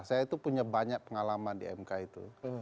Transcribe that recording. saya itu punya banyak pengalaman di mk itu